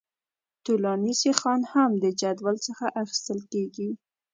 طولاني سیخان هم د جدول څخه اخیستل کیږي